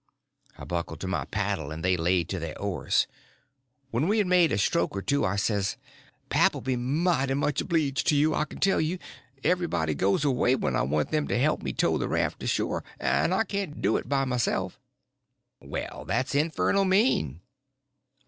I buckled to my paddle and they laid to their oars. When we had made a stroke or two, I says: "Pap'll be mighty much obleeged to you, I can tell you. Everybody goes away when I want them to help me tow the raft ashore, and I can't do it by myself." "Well, that's infernal mean.